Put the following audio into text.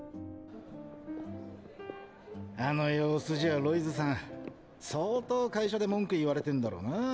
あの様子じゃロイズさん相当会社で文句言われてんだろうな。